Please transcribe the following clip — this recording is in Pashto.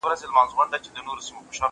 چي لومړۍ ورځ مي هگۍ ورته راغلا کړه